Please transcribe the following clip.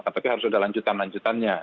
tapi harus ada lanjutan lanjutannya